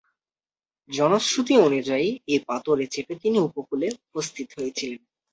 জনশ্রুতি অনুযায়ী এই পাথরে চেপে তিনি উপকূলে উপস্থিত হয়েছিলেন।